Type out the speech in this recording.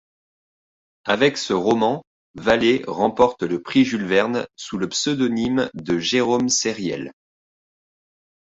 Avec ce roman, Vallée remporte le prix Jules-Verne sous le pseudonyme de Jérôme Sériel.